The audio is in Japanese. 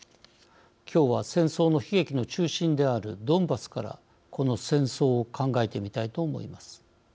今日は、戦争の悲劇の中心であるドンバスからこの戦争を考えてみたいと思います。